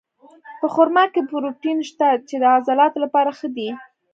په خرما کې پروټین شته، چې د عضلاتو لپاره ښه دي.